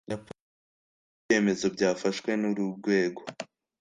Raporo ikubiyemo ibyemezo byafashwe n uru rwego